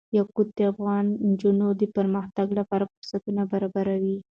یاقوت د افغان نجونو د پرمختګ لپاره فرصتونه برابروي.